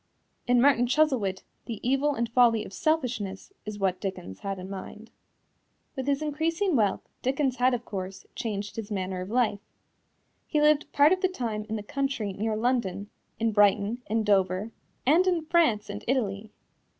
In Martin Chuzzlewit the evil and folly of selfishness is what Dickens had in mind. With his increasing wealth, Dickens had, of course, changed his manner of life. He lived part of the time in the country near London, in Brighton, in Dover, and in France and Italy.